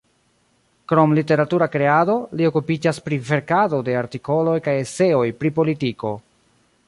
Krom literatura kreado, li okupiĝas pri verkado de artikoloj kaj eseoj pri politiko.